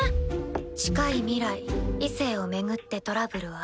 「近い未来異性を巡ってトラブルあり」。